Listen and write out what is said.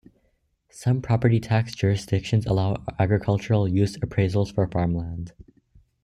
Some property tax jurisdictions allow agricultural use appraisals for farmland.